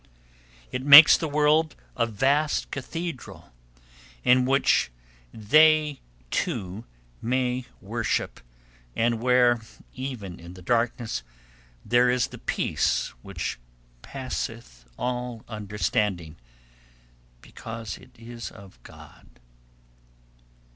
It makes the world a vast cathedral, in which they two may worship, and where, even in the darkness, there is the peace which passeth all understanding, because it is of God.